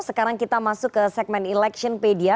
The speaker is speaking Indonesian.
sekarang kita masuk ke segmen electionpedia